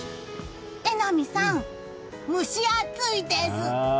榎並さん、蒸し暑いですっ！